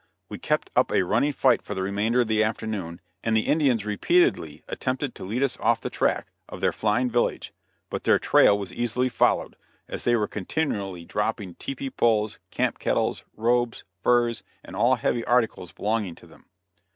We kept up a running fight for the remainder of the afternoon, and the Indians repeatedly attempted to lead us off the track of their flying village, but their trail was easily followed, as they were continually dropping tepee poles, camp kettles, robes, furs and all heavy articles belonging to them.